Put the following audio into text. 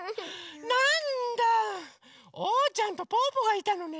なんだおうちゃんとぽぅぽがいたのね。